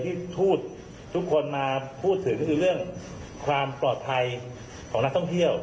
ที่หูดทุกคนมาพูดสื่อเรื่องความปลอดภัยของนักท่องเที่ยว